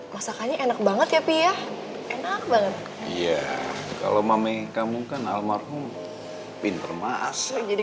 masakannya enak banget ya pia enak banget iya kalau mame kamu kan almarhum pinter mas jadi